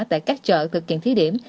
tại các chợ thực hiện thí điểm